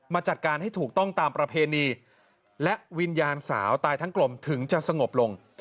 จัดการให้ถูกต้องตามประเพณีและวิญญาณสาวตายทั้งกลมถึงจะสงบลง